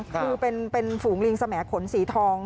คือเป็นฝูงลิงสมขนสีทอง